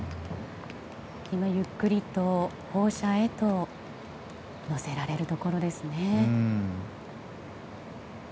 今ゆっくりと砲車へと乗せられるところですね。